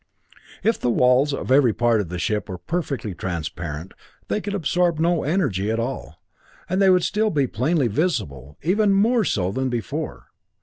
If the walls of every part of the ship were perfectly transparent, they could absorb no energy at all, and they would still be plainly visible even more so than before!